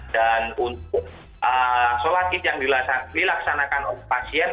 dan untuk sholat hit yang dilaksanakan oleh pasien